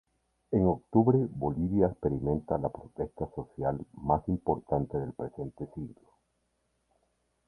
En octubre, Bolivia experimenta la protesta social más importante del presente siglo.